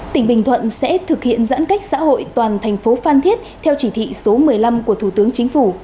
tỉnh bình thuận sẽ thực hiện giãn cách xã hội toàn thành phố phan thiết theo chỉ thị số một mươi năm của thủ tướng chính phủ